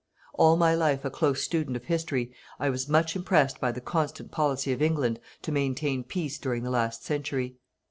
All my life a close student of History, I was much impressed by the constant Policy of England to maintain Peace during the last century.